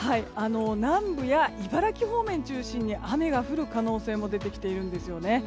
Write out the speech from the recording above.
南部や茨城方面中心に雨が降る可能性も出てきているんですよね。